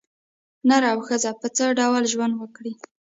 نر او ښځه په څه ډول ژوند وکړي.